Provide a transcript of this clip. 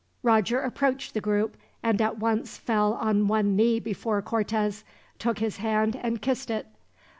Roger approached the group, and at once fell on one knee before Cortez, took his hand and kissed it.